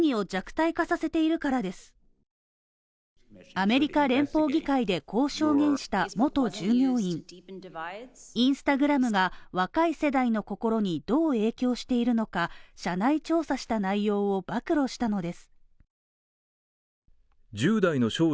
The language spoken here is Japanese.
アメリカ連邦議会でこう証言した元従業員Ｉｎｓｔａｇｒａｍが若い世代の心にどう影響しているのか、社内調査した内容を暴露したのです。